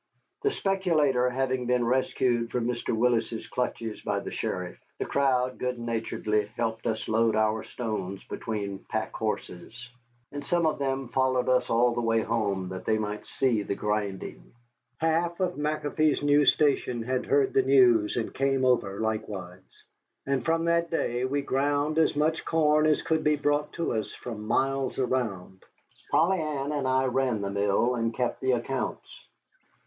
The speculator having been rescued from Jim Willis's clutches by the sheriff, the crowd good naturedly helped us load our stones between pack horses, and some of them followed us all the way home that they might see the grinding. Half of McAfee's new station had heard the news, and came over likewise. And from that day we ground as much corn as could be brought to us from miles around. Polly Ann and I ran the mill and kept the accounts.